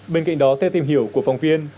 bên cạnh đó theo tìm hiểu của phòng viên